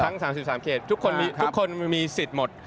ทั้ง๓๓เขตทุกคนมีสิทธิ์หมด